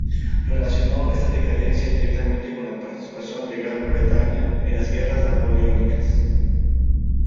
Relacionó esta decadencia directamente con la participación de Gran Bretaña en las Guerras Napoleónicas.